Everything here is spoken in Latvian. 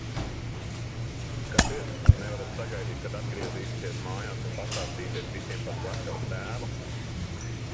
Kas ir, nevarat sagaidīt, kad atgriezīsities mājās un pastāstīsiet visiem par slepkavas tēvu?